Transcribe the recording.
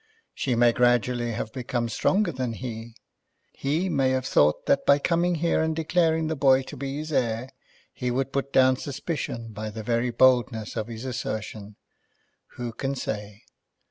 She may gradually have become stronger than he. He may have thought that by coming here and declaring the boy to be his heir, he would put down suspicion by the very boldness of his assertion. Who can say?